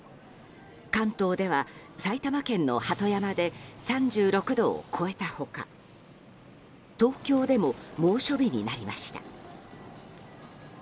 関東では埼玉県の鳩山で３６度を超えた他東京でも猛暑日になりました。